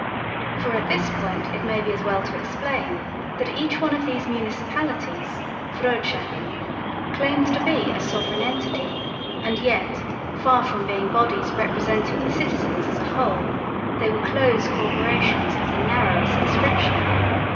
For at this point it may be as well to explain that each one of these municipalities (vroedschappen) claimed to be a sovereign entity, and yet, far from being bodies representing the citizens as a whole, they were close corporations of the narrowest description.